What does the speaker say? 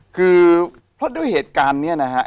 คือเพราะด้วยเหตุการณ์นี้นะฮะ